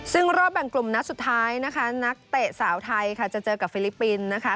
ซึ่งรอบแบ่งกลุ่มนัดสุดท้ายนะคะนักเตะสาวไทยค่ะจะเจอกับฟิลิปปินส์นะคะ